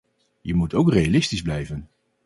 Je moet ook realistisch blijven.